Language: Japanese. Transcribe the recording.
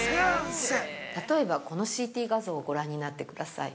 ◆例えばこのＣＴ画像をご覧になってください。